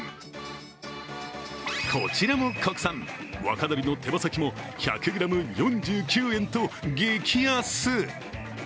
こちらも国産、若鶏の手羽先も１００ｇ４９円と激安。